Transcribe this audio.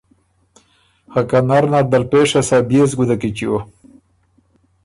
خه که نرنردل پېشه سۀ، بيې سو ګُده کی چیو؟“